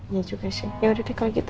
ya juga sih yaudah deh kali gitu